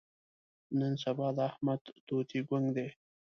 نن سبا د احمد توتي ګونګ دی.